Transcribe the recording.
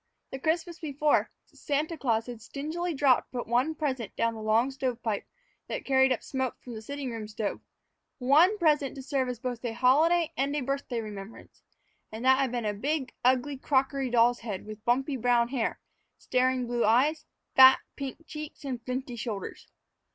The Christmas before, Santa Claus had stingily dropped but one present down the long stovepipe that carried up the smoke from the sitting room stove one present to serve as both a holiday and a birthday remembrance; and that had been a big, ugly crockery doll's head with bumpy brown hair, staring blue eyes, fat, pink cheeks, and flinty shoulders.